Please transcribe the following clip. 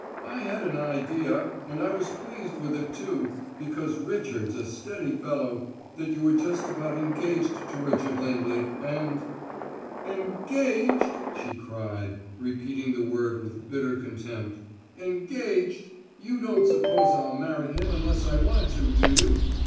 I had an idea and I was pleased with it, too, because Richard's a steady fellow that you were just about engaged to Richard Lindley, and " "Engaged!" she cried, repeating the word with bitter contempt. "Engaged! You don't suppose I'll marry him unless I want to, do you?